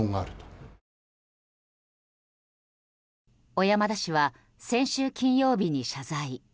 小山田氏は先週金曜日に謝罪。